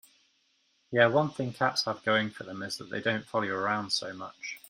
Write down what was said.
Yeah, one thing cats have going for them is that they don't follow you around so much.